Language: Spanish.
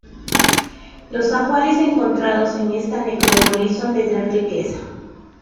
Los ajuares encontrados en esta necrópolis son de gran riqueza.